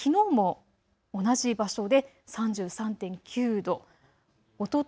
そしてきのうも同じ場所で３３．９度。